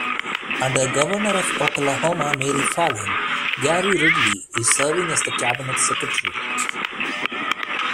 Under Governor of Oklahoma Mary Fallin, Gary Ridley is serving as the Cabinet Secretary.